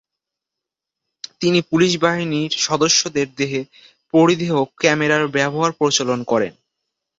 তিনি পুলিশ বাহিনীর সদস্যদের দেহে পরিধেয় ক্যামেরার ব্যবহার প্রচলন করেন।